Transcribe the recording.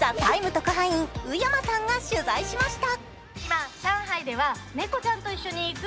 特派員、宇山さんが取材しました。